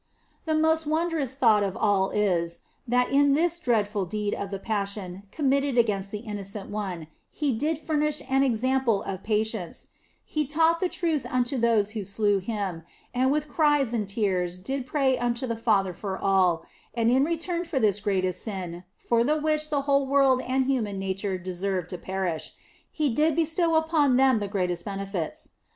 The most wondrous thought of all is, that in this dreadful deed of the Passion committed against the Innocent One, He did furnish an example of patience ; He taught the truth unto those who slew Him, and with cries and tears did pray unto the Father for them, and in return for this greatest of sins (for the which the whole world and human nature deserved to perish), He did bestow upon them the greatest benefits.